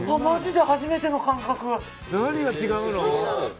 何が違うの？